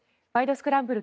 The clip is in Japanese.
スクランブル」